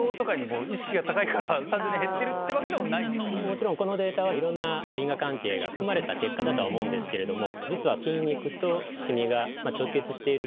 もちろんこのデータはいろんな因果関係が含まれた結果だとは思うんですけれども。